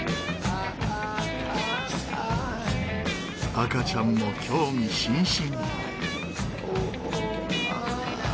赤ちゃんも興味津々。